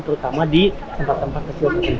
terutama di tempat tempat kecil kecil